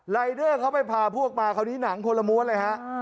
ลายเดอร์เขาไปพาพวกมาครอบนี้หนังโพลมวลเลยครับ